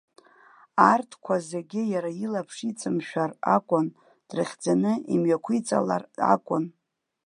Арҭқәа зегьы иара илаԥш иҵымшәар акәын, дрыхьӡаны имҩақәиҵалар акәын.